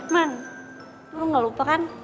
man lu gak lupa kan